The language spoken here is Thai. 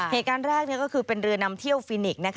เหตุการณ์แรกก็คือเป็นเรือนำเที่ยวฟินิก